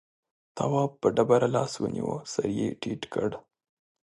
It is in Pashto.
تواب په ډبره لاس ونيو سر يې ټيټ کړ.